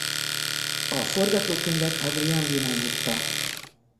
A forgatókönyvet Adrian Vina írta.